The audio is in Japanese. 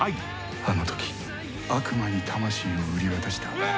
・あの時悪魔に魂を売り渡したうわ！